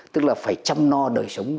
tức là phải chăm no đời sống